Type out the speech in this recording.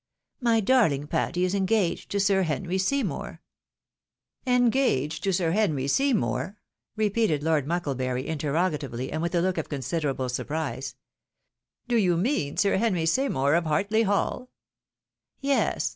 My darling Patty is engaged to Sir Henry Seymour." FIDDLE DE DEB. 803 " Engaged to Sir Henry Seymour ?" repeated Lord Muekle bury, interrogatively, and with a look of considerable surprise; " Do you mean Sir Henry Seymour, of Hartley Hall ?"" Yes